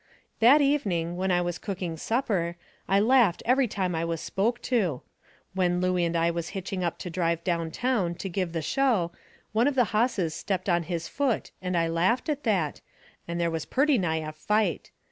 That evening, when I was cooking supper, I laughed every time I was spoke to. When Looey and I was hitching up to drive down town to give the show, one of the hosses stepped on his foot and I laughed at that, and there was purty nigh a fight.